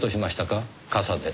傘で。